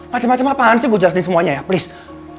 macem macem apaan sih gue jelasin semuanya ya please